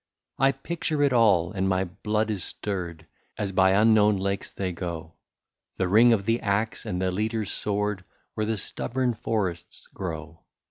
I picture it all, and my blood is stirred, As by unknown lakes they go, — The ring of the axe, and the leader's word, Where the stubborn forests grow.